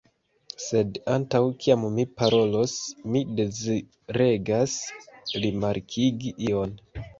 Sed antaŭ kiam mi parolos, mi deziregas rimarkigi ion.